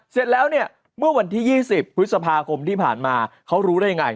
เสร็จแล้วเนี่ยเมื่อวันที่๒๐พฤษภาคมที่ผ่านมาเขารู้ได้ยังไง